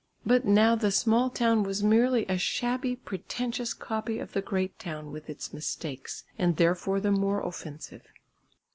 But now the small town was merely a shabby pretentious copy of the great town with its mistakes, and therefore the more offensive.